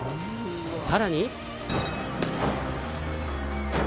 さらに。